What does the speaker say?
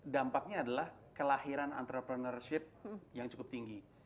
dampaknya adalah kelahiran entrepreneurship yang cukup tinggi